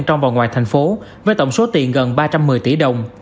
trong và ngoài thành phố với tổng số tiền gần ba trăm một mươi tỷ đồng